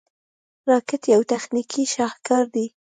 راکټ یو تخنیکي شاهکار دی